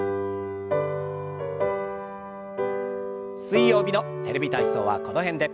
水曜日の「テレビ体操」はこの辺で。